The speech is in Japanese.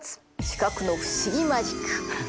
視覚の不思議マジック。